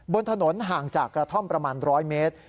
บนถนนห่างจากกระท่อมประมาณ๑๐๐เมตร